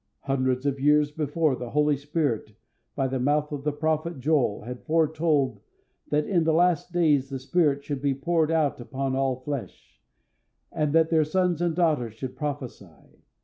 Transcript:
Hundreds of years before, the Holy Spirit, by the mouth of the prophet Joel, had foretold that in the last days the Spirit should be poured out upon all flesh, and that their sons and daughters should prophesy.